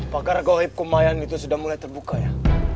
pakar goib kumayan itu sudah mulai terbuka ya